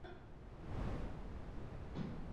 ibara ya pili ya mkataba huo ilieleza kwa kina